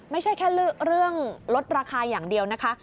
ไม่ใช่แค่เรื่องลดราคาอย่างเดียวนะคะ